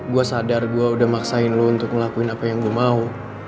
gue sadar gue udah maksain lo untuk ngelakuin apa yang gue mau